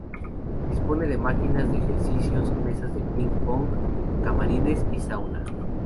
Dispone de máquinas de ejercicios, mesas de ping pong, camarines y sauna.